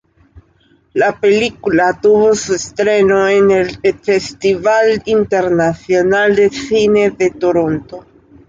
La película tuvo su estreno en el Festival Internacional de Cine de Toronto.